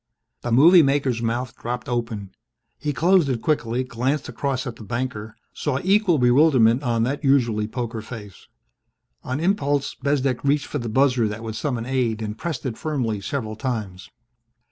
The movie maker's mouth dropped open. He closed it quickly, glanced across at the banker, saw equal bewilderment on that usually poker face. On impulse, Bezdek reached for the buzzer that would summon aid and pressed it firmly several times.